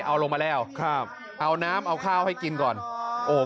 เอาลงมาแล้วครับเอาน้ำเอาข้าวให้กินก่อนโอ้